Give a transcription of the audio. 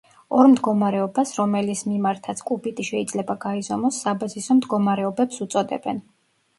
ორ მდგომარეობას, რომელის მიმართაც კუბიტი შეიძლება გაიზომოს, საბაზისო მდგომარეობებს უწოდებენ.